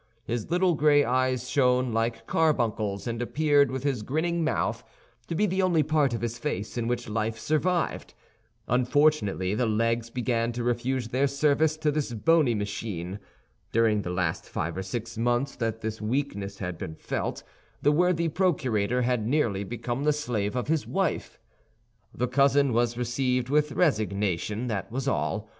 His little gray eyes shone like carbuncles, and appeared, with his grinning mouth, to be the only part of his face in which life survived. Unfortunately the legs began to refuse their service to this bony machine. During the last five or six months that this weakness had been felt, the worthy procurator had nearly become the slave of his wife. The cousin was received with resignation, that was all.